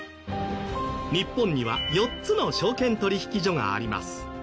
日本には４つの証券取引所があります。